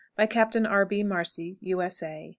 _ By Captain R. B. MARCY, U.S.A.